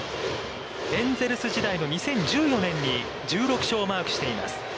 エンジェルス時代の２０１４年に１６勝をマークしています。